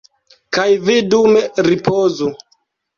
Kaj vi dume ripozu.